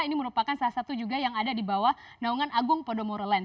ini merupakan salah satu juga yang ada di bawah naungan agung podomoro land